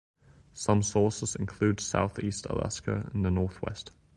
Some sources include southeast Alaska in the Northwest.